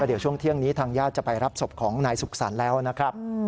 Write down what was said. เดี๋ยวช่วงเที่ยงนี้ทางญาติจะไปรับศพของนายสุขสรรค์แล้วนะครับ